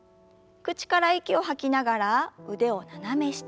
口から息を吐きながら腕を斜め下。